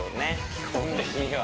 基本的には。